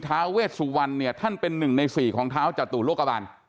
ท้าเวชสุวรรณเนี่ยท่านเป็นหนึ่งในสี่ของเท้าจตุโลกบัน